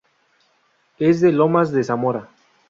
Es de Lomas de Zamora.